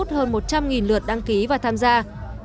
sẽ có ba cuộc trao giải tháng và trao giải chung cuộc